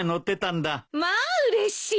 まあうれしい。